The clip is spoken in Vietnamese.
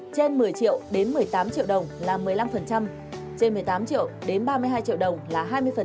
trên một mươi triệu đến một mươi tám triệu đồng là một mươi năm trên một mươi tám triệu đến ba mươi hai triệu đồng là hai mươi